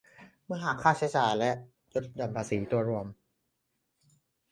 เมื่อหักค่าใช้จ่ายและลดหย่อนส่วนตัวรวม